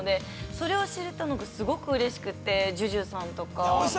それを知れたのがすごくうれしくて、樹樹さんとか。